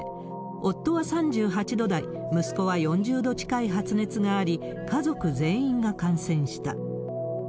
夫は３８度台、息子は４０度近い発熱があり、家族全員が感染した。